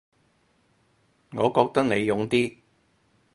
我覺得你勇啲